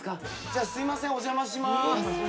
すいませんお邪魔します